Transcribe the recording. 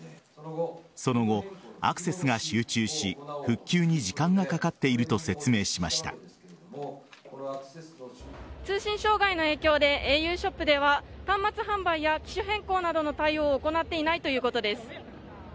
その後、アクセスが集中し復旧に時間がかかっていると通信障害の影響でａｕショップでは端末販売や機種変更などの対応を行っていないということです。